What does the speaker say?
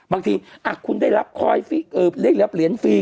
บางทีคุณได้รับคอยเรียกรับเหรียญฟรี